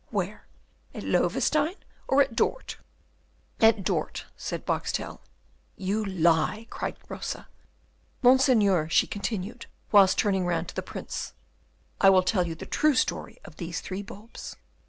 Where? At Loewestein, or at Dort?" "At Dort," said Boxtel. "You lie!" cried Rosa. "Monseigneur," she continued, whilst turning round to the Prince, "I will tell you the true story of these three bulbs.